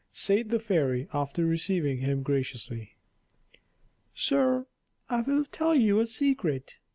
Said the fairy, after receiving him graciously; "Sir, I will tell you a secret.